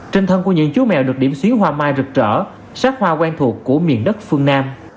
trên thân của những chú mèo được điểm xíu hoa mai rực rỡ sắc hoa quen thuộc của miền đất phương nam